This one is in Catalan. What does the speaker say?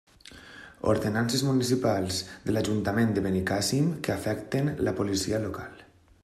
Ordenances municipals de l'ajuntament de Benicàssim que afecten la Policia Local.